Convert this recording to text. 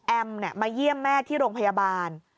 มาเยี่ยมแม่ที่โรงพยาบาล